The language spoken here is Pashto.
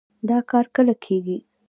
دا کار کله کېږي؟